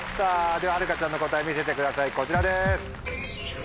でははるかちゃんの答え見せてくださいこちらです。